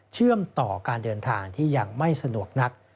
เชื่อมต่อการเดินทางที่ยังไม่สะดวกนัก